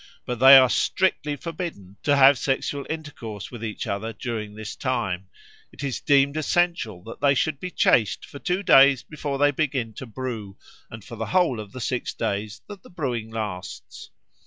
But they are strictly forbidden to have sexual intercourse with each other during this time; it is deemed essential that they should be chaste for two days before they begin to brew and for the whole of the six days that the brewing lasts.